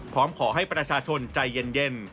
พร้อมขอให้ประชาชนใจเย็น